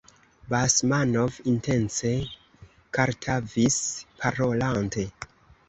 Basmanov intence kartavis parolante.